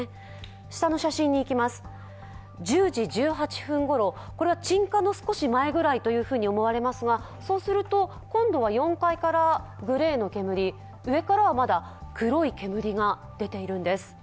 下の写真、１０時１８分ごろ鎮火の少し前ぐらいと思われますが、今度は４階からグレーの煙、上からはまだ黒い煙が出ているんです。